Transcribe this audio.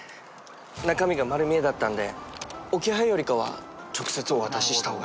中身が丸見えだったんで置き配よりかは直接お渡しした方がいいかなと。